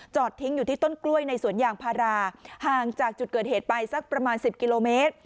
ทิ้งอยู่ที่ต้นกล้วยในสวนยางพาราห่างจากจุดเกิดเหตุไปสักประมาณ๑๐กิโลเมตร